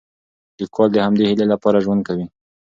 لیکوال د همدې هیلې لپاره ژوند کوي.